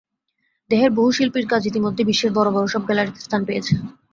দেশের বহু শিল্পীর কাজ ইতিমধ্যে বিশ্বের বড় বড় সব গ্যালারিতে স্থান পেয়েছে।